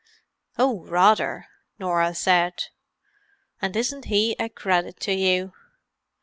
"Oh, rather!" Norah said. "And isn't he a credit to you!